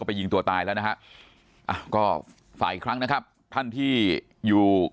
ไปยิงตัวตายแล้วนะฮะก็ฝากอีกครั้งนะครับท่านที่อยู่